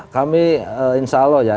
kami insya allah ya